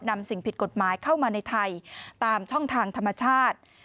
สิ่งผิดกฎหมายเข้ามาในไทยตามช่องทางธรรมชาติ